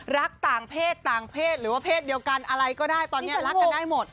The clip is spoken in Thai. รักต่างเพศต่างเพศหรือว่าเพศเดียวกันอะไรก็ได้ตอนนี้รักกันได้หมด